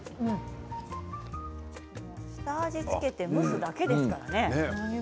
下味を付けて蒸すだけですからね。